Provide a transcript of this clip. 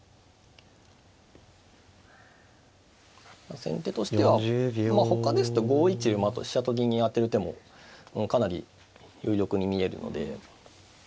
先手としてはほかですと５一馬と飛車と銀に当てる手もかなり有力に見えるので。